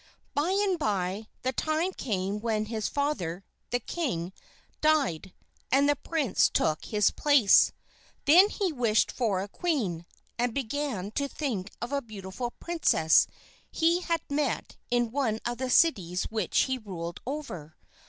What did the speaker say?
By and by the time came when his father, the king, died, and the prince took his place. Then he wished for a queen, and began to think of a beautiful princess he had met in one of the cities which he ruled over.